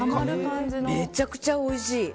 めちゃくちゃおいしい。